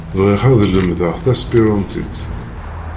Bɣiɣ ad lemdeɣ taspirantit.